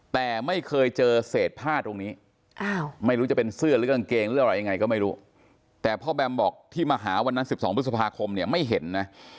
แต่ไม่เคยเจอเศษผ้าตรงนี้ไม่รู้จะเป็นเสื้อหรือกางเกงหรืออะไรยังไงก็ไม่รู้แต่พ่อแบมบอกที่มาหาวันนั้น๑๒พฤษภาคมเนี่ยไม่เห็นนะ